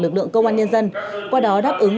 lực lượng công an nhân dân qua đó đáp ứng